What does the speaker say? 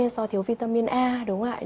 do thiếu vitamin a đúng không ạ